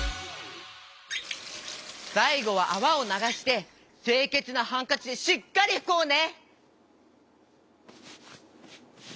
さいごはあわをながしてせいけつなハンカチでしっかりふこうね！